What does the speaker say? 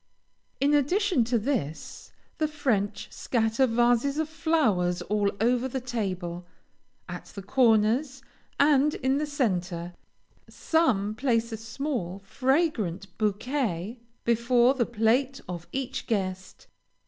In addition to this, the French scatter vases of flowers all over the table, at the corners and in the centre. Some place a small, fragrant bouquet before the plate of each guest.